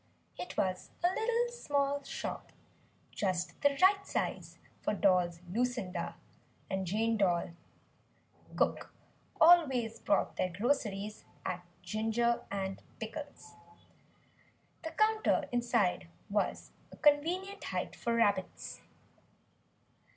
It was a little small shop just the right size for Dolls Lucinda and Jane Doll cook always bought their groceries at Ginger and Pickles. The counter inside was a convenient height for rabbits.